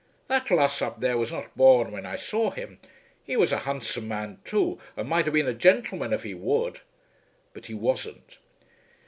"That lass up there was not born when I saw him. He was a handsome man too, and might have been a gentleman av' he would." "But he wasn't."